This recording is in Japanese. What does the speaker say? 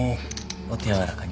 お手柔らかに。